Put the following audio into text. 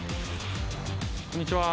こんにちは。